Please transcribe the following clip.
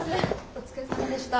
お疲れさまでした。